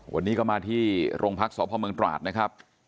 วันนี้ก็มาที่โรงพักษพเมืองตราดนะครับ